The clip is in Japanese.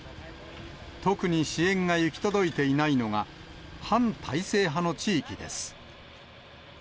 特に支援が行き届いていないのが、反体制派の地域です。